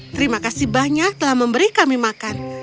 terima kasih banyak telah memberi kami makan